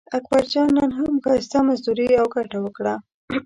اکبرجان نن هم ښایسته مزدوري او ګټه وکړه.